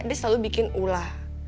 dia selalu bikin ulah